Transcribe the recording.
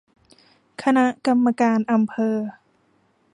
คณะกรรมการอำเภอ